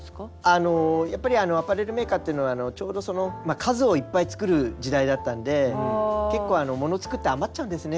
あのやっぱりアパレルメーカーっていうのはちょうど数をいっぱい作る時代だったんで結構物作って余っちゃうんですね